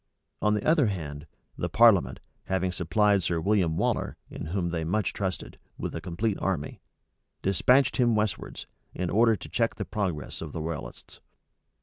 On the other hand, the parliament, having supplied Sir William Waller, in whom they much trusted, with a complete army, despatched him westwards, in order to check the progress of the royalists.